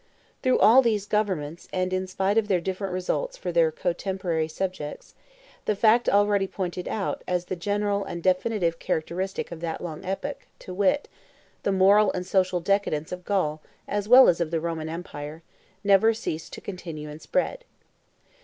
Through all these governments, and in spite of their different results for their contemporary subjects, the fact already pointed out as the general and definitive characteristic of that long epoch, to wit, the moral and social decadence of Gaul as well as of the Roman empire, never ceased to continue and spread.